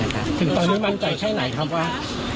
ถึงตอนนี้มั่นใจให้ไหนคำว่า